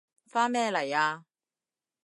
返咩嚟啊？